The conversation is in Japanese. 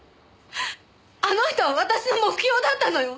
あの人は私の目標だったのよ。